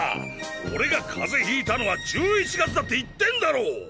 俺が風邪ひいたのは１１月だって言ってんだろ！